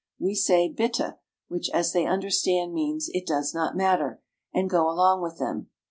We say, " Bitte," which, as they understand, means "it does not matter," and go along with them.